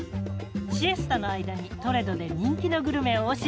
シエスタの間にトレドで人気のグルメを教えちゃう。